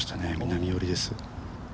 南寄りです。